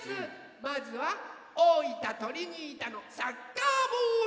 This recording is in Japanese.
まずは大分トリニータのサッカーボール！